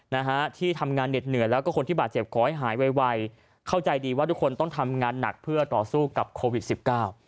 นะฮะที่ทำงานเหน็ดเหนื่อยแล้วก็คนที่บาดเจ็บขอให้หายไวเข้าใจดีว่าทุกคนต้องทำงานหนักเพื่อต่อสู้กับโควิดสิบเก้า